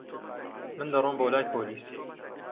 من دەڕۆم بۆ لای پۆلیس.